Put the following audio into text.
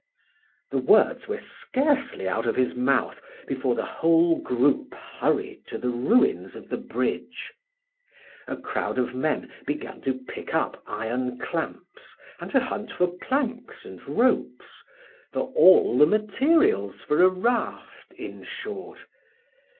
The words were scarcely out of his mouth before the whole group hurried to the ruins of the bridge. A crowd of men began to pick up iron clamps and to hunt for planks and ropes for all the materials for a raft, in short.